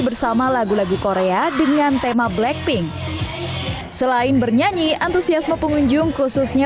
bersama lagu lagu korea dengan tema blackpink selain bernyanyi antusiasme pengunjung khususnya